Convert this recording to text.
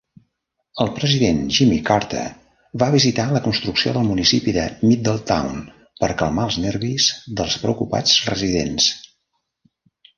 El president Jimmy Carter va visitar la construcció del municipi de Middletown per calmar els nervis dels preocupats residents.